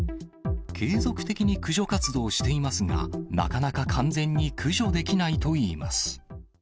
継続的に駆除活動していますが、なかなか完全に駆除できないといいます。